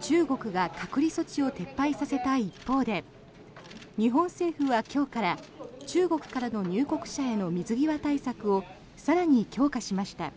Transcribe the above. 中国が隔離措置を撤廃させた一方で日本政府は今日から中国からの入国者の水際対策を更に強化しました。